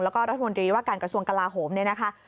แล้วก็รัฐมนตรีว่าการกระทรวงกลาโหมเนี่ยนะคะ